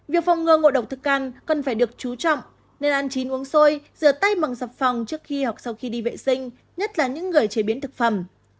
việc phong ngơ ngộ độc thực ăn cần phải được chú trọng nên ăn chín uống xôi rửa tay bằng sập phòng trước khi hoặc sau khi đi vệ sinh nhất là những người chế biến thực phẩm